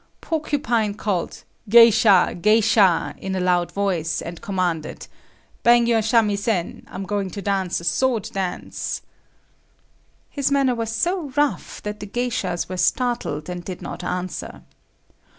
Porcupine called "geisha, geisha," in a loud voice, and commanded; "Bang your samisen; I'm going to dance a sword dance." His manner was so rough that the geishas were startled and did not answer.